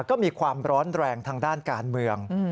ก็มีความร้อนแรงทางด้านการเมือง